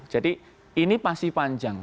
jadi ini pasti panjang